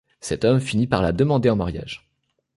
Cet homme finit par la demander en mariage.